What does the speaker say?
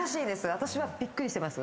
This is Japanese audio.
私はびっくりしてます。